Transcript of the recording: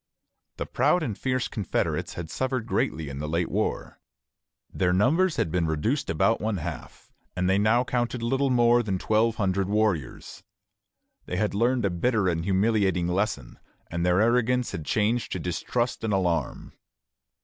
The proud and fierce confederates had suffered greatly in the late war. Their numbers had been reduced about one half, and they now counted little more than twelve hundred warriors. They had learned a bitter and humiliating lesson, and their arrogance had changed to distrust and alarm.